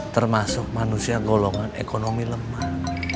termasuk manusia golongan ekonomi lemah